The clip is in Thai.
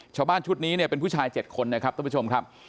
ชาวบ้านชุดนี้เนี่ยเป็นผู้ชาย๗คนนะครับท่านผู้ชมครับ